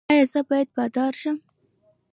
ایا زه باید بادار شم؟